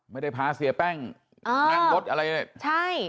ไม่ได้พาเสียแป้งนั่งรถอะไรใช่